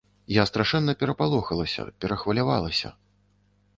Я страшэнна перапалохалася, перахвалявалася.